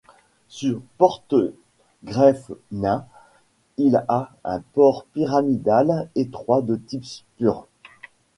Sur porte-greffe nain, il a un port pyramidal étroit de type spur.